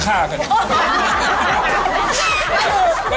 สวัสดีครับสวัสดีครับ